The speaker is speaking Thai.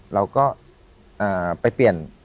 เราก็ไปเปลี่ยน